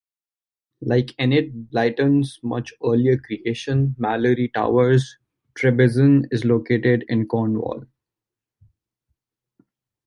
Like Enid Blyton's much earlier creation, Malory Towers, Trebizon is located in Cornwall.